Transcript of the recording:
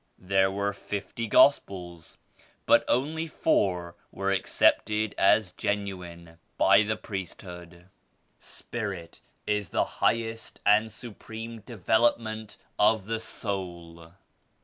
There were fifty gospels but only four were ac cepted as genuine by the priesthood." Spirit is the highest and supreme develop ment of the soul.